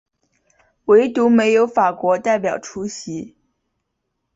惟独没有法国代表出席。